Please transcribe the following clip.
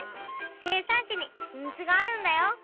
生産地に秘密があるんだよ。